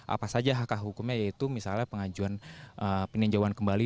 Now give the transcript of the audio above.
apa saja hak hak hukumnya yaitu misalnya pengajuan peninjauan kembali